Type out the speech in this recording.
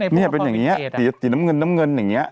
นี่เป็นอย่างนี้สีน้ำเงินน้ำเงินอย่างนี้